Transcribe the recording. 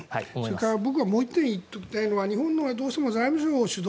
それから僕がもう１点言っておきたいのは、日本の場合どうしても財務省が主導